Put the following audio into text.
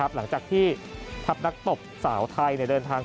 หลังจากที่ทัพนักตบสาวไทยเดินทาง